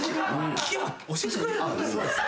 聞けば教えてくれるんだ。